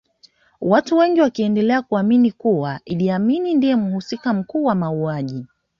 Watu wengi wakiendelea kuamini kuwa Idi Amin ndiye mhusika mkuu kwa mauaji